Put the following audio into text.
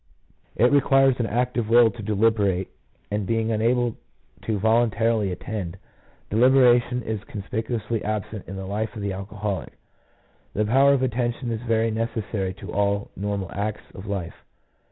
It requires an act of will to deliberate, and being unable to voluntarily attend, deliberation is conspicu ously absent in the life of the alcoholic. The power of attention is very necessary in all normal acts of life.